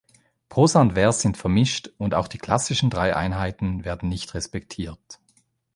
Prosa und Vers sind vermischt und auch die klassischen drei Einheiten werden nicht respektiert.